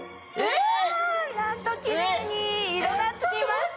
なんと、きれいに色が着きました。